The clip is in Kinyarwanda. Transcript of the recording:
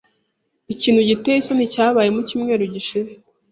Ikintu giteye isoni cyabaye mucyumweru gishize.